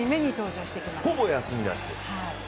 ほぼ休みなしです。